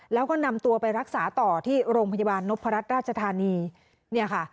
แล้วก็นำตัวไปรักษาต่อที่โรงพยาบาลนพรัชราชธานีเนี่ยค่ะ